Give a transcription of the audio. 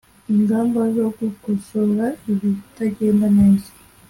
ingamba zo gukosora ibitagenda neza